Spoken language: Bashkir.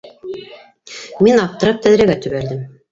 Мин, аптырап, тәҙрәгә төбәлдем.